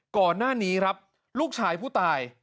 ก่อนหน้านี้ครับลูกชายผู้ตาย